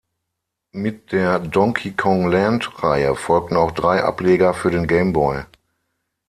Mit der Donkey-Kong-Land-Reihe folgten auch drei Ableger für den Game Boy.